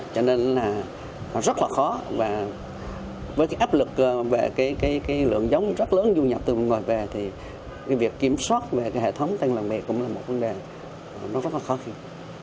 cho nên là rất là khó và với cái áp lực về cái lượng giống rất lớn du nhập từ ngoài về thì cái việc kiểm soát về cái hệ thống tên làng nghề cũng là một vấn đề nó rất là khó khăn